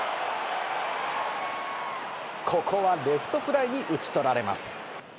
ここはレフトフライに打ち取られます。